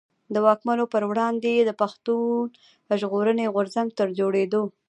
د واکمنو پر وړاندي يې د پښتون ژغورني غورځنګ تر جوړېدو.